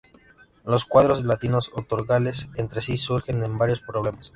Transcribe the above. Los cuadrados latinos ortogonales entre sí, surgen en varios problemas.